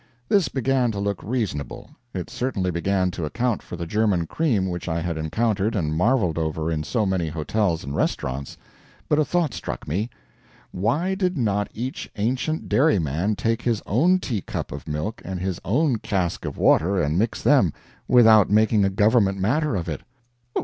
This began to look reasonable. It certainly began to account for the German cream which I had encountered and marveled over in so many hotels and restaurants. But a thought struck me "Why did not each ancient dairyman take his own teacup of milk and his own cask of water, and mix them, without making a government matter of it?'